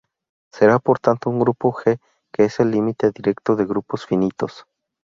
Será por tanto un grupo G que es el límite directo de grupos finitos.